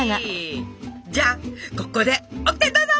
じゃあここでオキテどうぞ！